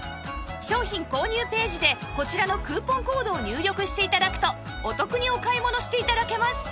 商品購入ページでこちらのクーポンコードを入力して頂くとお得にお買い物して頂けます